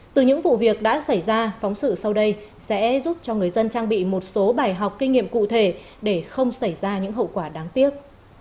từ những vụ việc đã xảy ra phóng sự sau đây sẽ giúp cho người dân trang bị một số bài học kinh nghiệm cụ thể để không xảy ra những hậu quả đáng tiếc